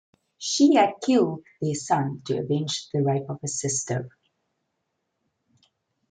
She had killed their son to avenge the rape of her sister.